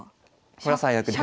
これは最悪です。